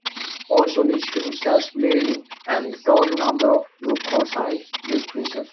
Also the skin starts bleeding and the total number of leukocytes decreases.